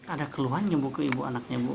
ada keluhan nyebu ke ibu anaknya bu